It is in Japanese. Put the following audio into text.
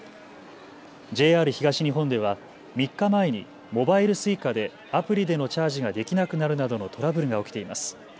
ＪＲ東日本では３日前にモバイルＳｕｉｃａでアプリでのチャージができなくなるなどのトラブルが起きています。